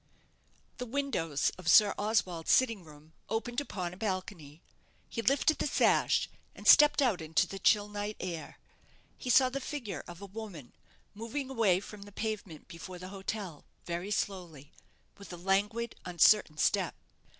The windows of Sir Oswald's sitting room opened upon a balcony. He lifted the sash, and stepped out into the chill night air. He saw the figure of a woman moving a way from the pavement before the hotel very slowly, with a languid, uncertain step.